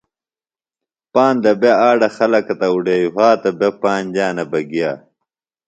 پاندہ بےۡ آڈہ خلکہ تہ اُڈھیویۡ وھاتہ بےۡ پانج جانہ بہ گِیہ